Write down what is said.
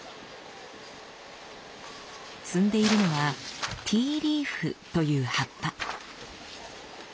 摘んでいるのはティーリーフという葉っぱ。